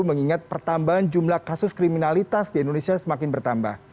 mengingat pertambahan jumlah kasus kriminalitas di indonesia semakin bertambah